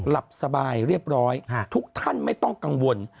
หลับสบายเรียบร้อยทุกท่านไม่ต้องกังวล